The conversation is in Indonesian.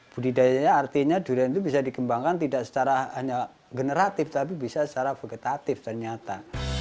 budidayanya artinya durian itu bisa dikembangkan tidak hanya secara generatif tapi bisa secara vegetatif ternyata